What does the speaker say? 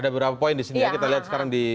ada beberapa poin disini ya kita lihat sekarang di